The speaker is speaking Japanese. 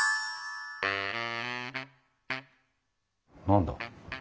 何だ？